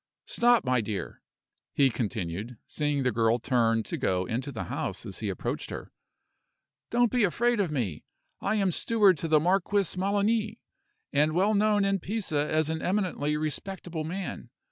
Stop, my dear," he continued, seeing the girl turn to go into the house as he approached her. "Don't be afraid of me. I am steward to the Marquis Melani, and well known in Pisa as an eminently respectable man.